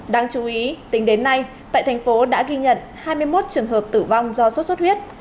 đáng chú ý tính đến nay tại tp hcm đã ghi nhận hai mươi một trường hợp tử vong do suốt suốt huyết